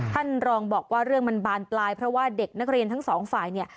ท่านรองบอกว่าเรื่องมันบานปลายเพราะว่าเด็กนักเรียนทั้งสองฝ่ายเนี่ย